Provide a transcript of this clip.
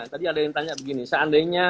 tadi ada yang tanya begini seandainya